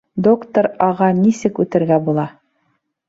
Доктор А.-ға нисек үтергә була?